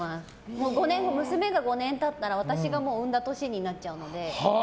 もう娘が５年経ったら私が産んだ年になっちゃうので。